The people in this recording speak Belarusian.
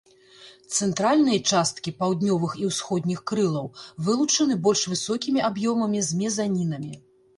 Цэнтральныя часткі паўднёвых і ўсходніх крылаў вылучаны больш высокімі аб'ёмамі з мезанінамі.